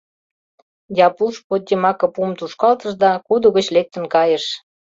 Япуш под йымаке пум тушкалтыш да кудо гыч лектын кайыш.